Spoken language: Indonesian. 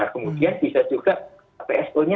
kemudian bisa juga pso nya